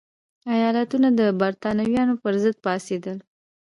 ایالتونه د برېټانویانو پرضد پاڅېدل.